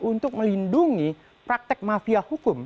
untuk melindungi praktek mafia hukum